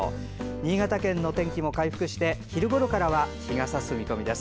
新潟県の天気も回復して昼ごろからは日がさす見込みです。